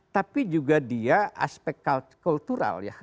tapi juga dia aspek kultural ya